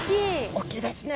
大きいですね。